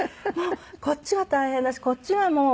こっちは大変だしこっちはもう。